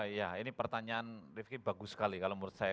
ya ini pertanyaan rifki bagus sekali kalau menurut saya